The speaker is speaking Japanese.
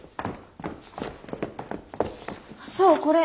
そうこれ！